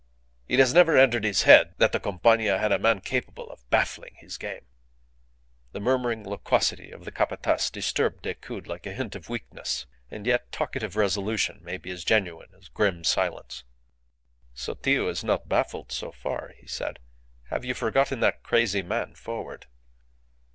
It has never entered his head that the Compania had a man capable of baffling his game." The murmuring loquacity of the Capataz disturbed Decoud like a hint of weakness. And yet, talkative resolution may be as genuine as grim silence. "Sotillo is not baffled so far," he said. "Have you forgotten that crazy man forward?"